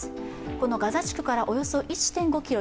このガザ地区からおよそ１．５ｋｍ